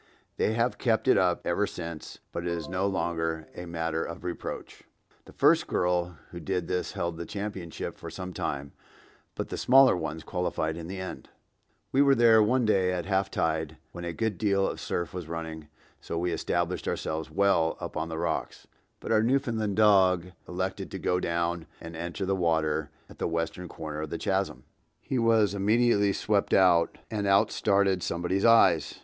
They have kept it up ever since, but it is no longer a matter of reproach.) The first girl who did this held the championship for some time, but the smaller ones qualified in the end. We were there one day at half tide when a good deal of surf was running, so we established ourselves well up on the rocks, but our Newfoundland dog elected to go down and enter the water at the western corner of the chasm. He was immediately swept out, and out started somebody's eyes!